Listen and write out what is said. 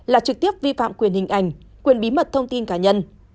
là trực tiếp vi phạm quyền hình ảnh quyền bí mật thông tin cá nhân